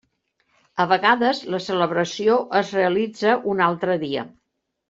A vegades, la celebració es realitza un altre dia.